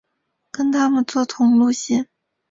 跟他们坐同路线